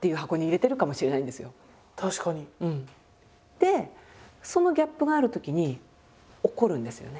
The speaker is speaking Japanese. でそのギャップがあるときに怒るんですよね。